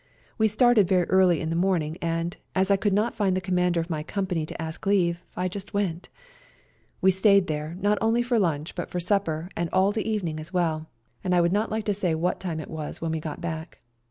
We started very early in the morning, and, as I could not find the Commander of my company to ask leave, I just went. We stayed there, not only for lunch, but for supper 182 SERBIAN CHRISTMAS DAY and all the evening as well, and I would not like to say what time it was when we got back.